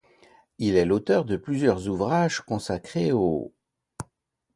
Il est l’auteur de plusieurs ouvrages consacrés au '.